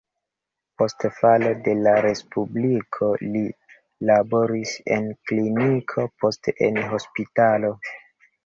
Post falo de la respubliko li laboris en kliniko, poste en hospitalo.